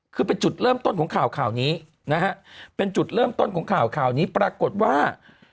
คือเป็นจุดเริ่มต้นของข่าวข่าวนี้นะฮะเป็นจุดเริ่มต้นของข่าวข่าวนี้ปรากฏว่า